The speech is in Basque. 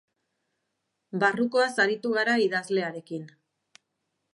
Barrukoaz aritu gara idazlearekin.